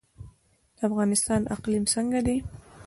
د افغانستان اقلیم څنګه دی؟